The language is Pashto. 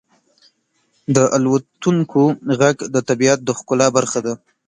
• د الوتونکو ږغ د طبیعت د ښکلا برخه ده.